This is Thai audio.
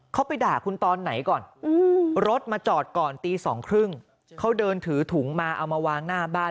เขาไปด่าคุณตอนไหนก่อนรถมาจอดก่อนตีสองครึ่งเขาเดินถือถุงมาเอามาวางหน้าบ้าน